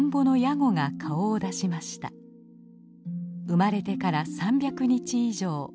生まれてから３００日以上。